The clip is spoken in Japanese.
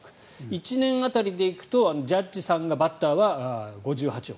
１年当たりで行くとジャッジさんバッターは５８億。